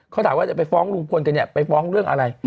เขาถามว่าจะไปฟ้องลุงพลกันเนี่ยไปฟ้องเรื่องอะไร